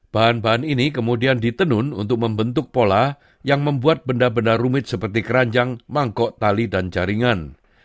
bahan bahan ini kemudian ditenun untuk membentuk pola yang membuat benda benda rumit seperti keranjang mangkok tali dan jaringan